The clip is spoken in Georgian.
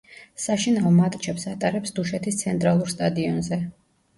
საშინაო მატჩებს ატარებს დუშეთის ცენტრალურ სტადიონზე.